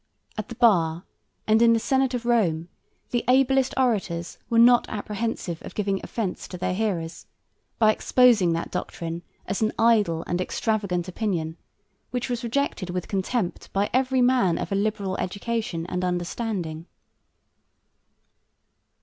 At the bar and in the senate of Rome the ablest orators were not apprehensive of giving offence to their hearers by exposing that doctrine as an idle and extravagant opinion, which was rejected with contempt by every man of a liberal education and understanding.